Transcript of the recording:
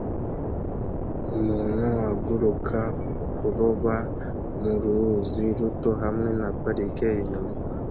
Umuntu aguruka kuroba mu ruzi ruto hamwe na parike inyuma